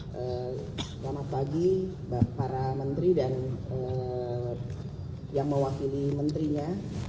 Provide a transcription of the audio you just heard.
selamat pagi para menteri dan yang mewakili menterinya